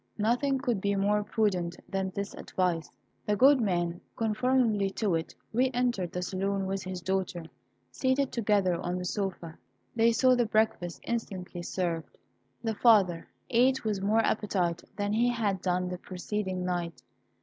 Nothing could be more prudent than this advice. The good man, conformably to it, re entered the saloon with his daughter. Seated together on the sofa, they saw the breakfast instantly served. The father ate with more appetite than he had done the preceding night.